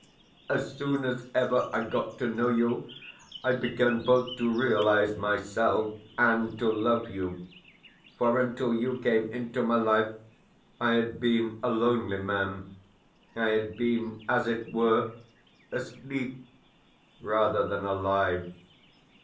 As soon as ever I got to know you I began both to realise myself and to love you; for until you came into my life I had been a lonely man I had been, as it were, asleep rather than alive.